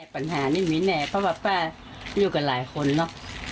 ปัญหานี่มีแน่พระพระป้าอยู่กับหลายคนเนอะ